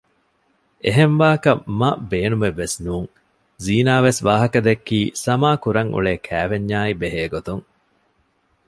އެހެން ވާކަށް މަ ބޭނުމެއްވެސް ނޫން ޒީނާ ވެސް ވާހަކަ ދެއްކީ ސަމާ ކުރަން އުޅޭ ކައިވެންޏާއި ބެހޭގޮތުން